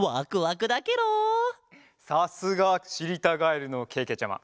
さすがしりたガエルのけけちゃま。